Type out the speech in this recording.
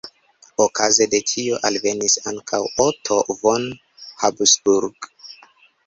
Okaze de tio alvenis ankaŭ Otto von Habsburg.